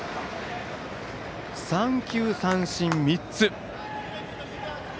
三球三振３つ。